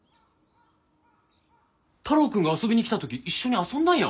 太郎くんが遊びに来た時一緒に遊んだんやよ。